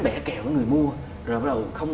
bẻ kẹo người mua rồi bắt đầu không